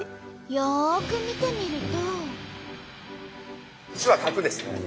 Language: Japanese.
よく見てみると。